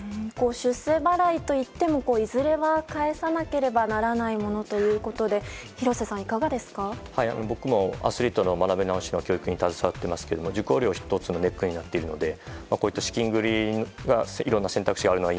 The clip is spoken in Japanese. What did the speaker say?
出世払いといってもいずれは返さなければならないものということで僕もアスリートの学び直しの教育に携わってますけど授業料が１つのネックになっているのでこういった資金繰りがいろんな選択肢があるのは